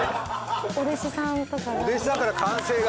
お弟子さんとかが。